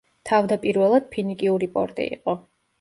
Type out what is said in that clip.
თავდაპირველად, ფინიკიური პორტი იყო.